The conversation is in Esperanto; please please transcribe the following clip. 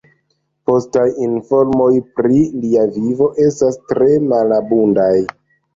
Postaj informoj pri lia vivo estas tre malabundaj.